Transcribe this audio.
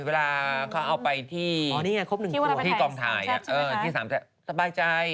เวลาเขาเอาไปที่กองถ่ายที่๓สบายใจ